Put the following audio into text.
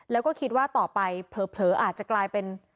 แล้วก็คิดว่าต่อไปเผลออาจจะกลายเป็น